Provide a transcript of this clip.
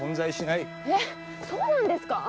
えっそうなんですかあ？